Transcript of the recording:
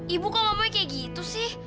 ibu kok ngomongnya kayak gitu sih